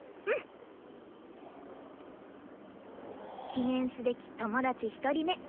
記念すべき友達１人目！